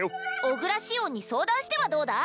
小倉しおんに相談してはどうだ？